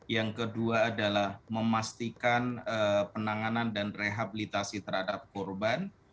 yang kedua adalah memastikan penanganan dan rehabilitasi terhadap korban